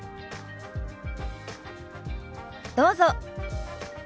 どうぞ。